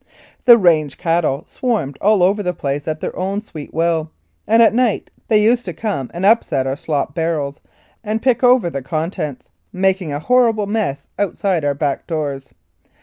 The range cattle swarmed all over the place at their own sweet will, and at night they used to come and upset our slop barrels, and pick over the contents, making a horrible mess outside our back doors.